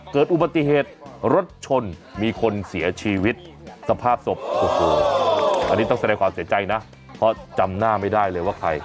เกิดอุบัติเหตุรถชนมีคนเสียชีวิตสภาพศพโอ้โหอันนี้ต้องแสดงความเสียใจนะเพราะจำหน้าไม่ได้เลยว่าใคร